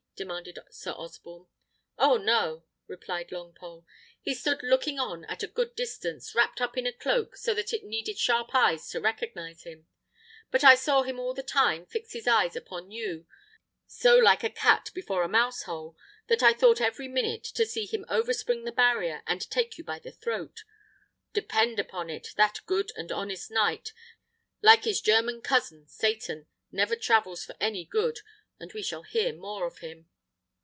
demanded Sir Osborne. "Oh, no!" replied Longpole; "he stood looking on at a good distance, wrapped up in a cloak, so that it needed sharp eyes to recognise him; but I saw him all the time fix his eyes upon you, so like a cat before a mouse hole, that I thought every minute to see him overspring the barrier and take you by the throat. Depend upon it that good and honest knight, like his german cousin, Satan, never travels for any good, and we shall hear more of him."